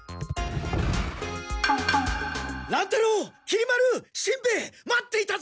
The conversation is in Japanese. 乱太郎きり丸しんべヱ待っていたぞ！